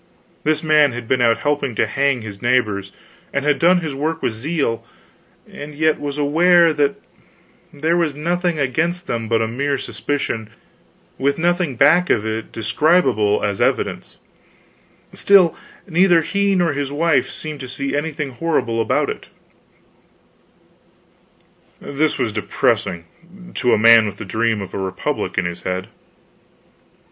This man had been out helping to hang his neighbors, and had done his work with zeal, and yet was aware that there was nothing against them but a mere suspicion, with nothing back of it describable as evidence, still neither he nor his wife seemed to see anything horrible about it. This was depressing to a man with the dream of a republic in his head.